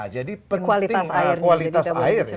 jadi penting kualitas air